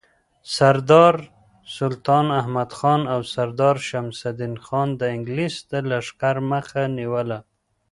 سردار سلطان احمدخان او سردار شمس الدین خان د انگلیس د لښکر مخه نیوله.